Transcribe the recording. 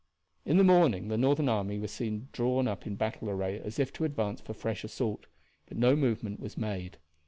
In the morning the Northern army was seen drawn up in battle array as if to advance for fresh assault, but no movement was made.